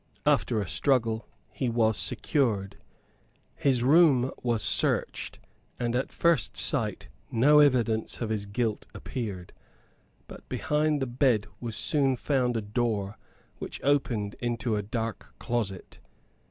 After a struggle he was secured. His room was searched; and at first sight no evidence of his guilt appeared. But behind the bed was soon found a door which opened into a dark closet.